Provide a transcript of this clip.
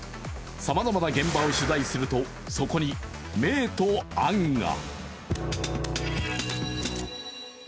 さまざまな現場を取材するとそこに明と暗が。